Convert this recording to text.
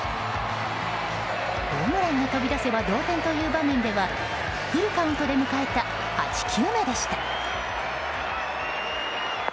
ホームランが飛び出せば同点という場面ではフルカウントで迎えた８球目でした。